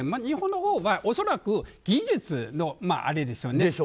日本のほうは恐らく、技術のあれですよね。